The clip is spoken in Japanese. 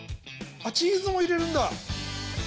あっチーズもいれるんだ！